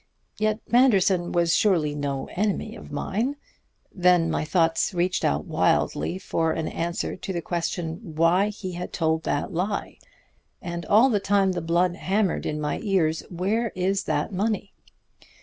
Yet Manderson was surely no enemy of mine. Then my thoughts reached out wildly for an answer to the question why he had told that lie. And all the time the blood hammered in my ears: 'Where is that money?'